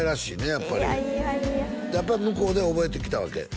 やっぱりいやいやいややっぱり向こうで覚えてきたわけ？